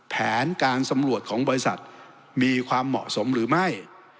แผนการสำรวจของบริษัทมีความเหมาะสมหรือไม่